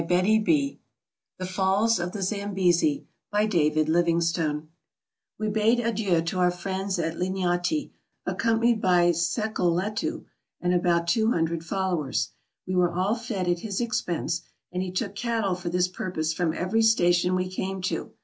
AFRICA The Falls of the Zambesi By DAVID LIVINGSTONE WE bade adieu to our friends at Linyanti, accompanied by Sekeletu and about two hundred followers. We were all fed at his expense, and he took cattle for this pur pose from every station we came to.